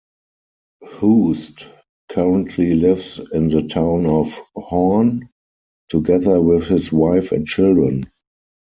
Hoost currently lives in the town of Hoorn, together with his wife and children.